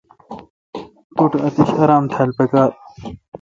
توٹھ اتش آرام تھال پکار۔